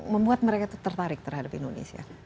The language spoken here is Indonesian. membuat mereka tertarik terhadap indonesia